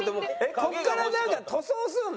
ここからなんか塗装するの？